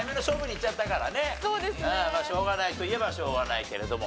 しょうがないといえばしょうがないけれども。